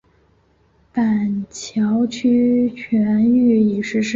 板桥区全域已实施。